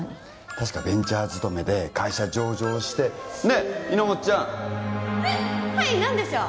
確かベンチャー勤めで会社上場してねえいのもっちゃんえっはい何でしょう？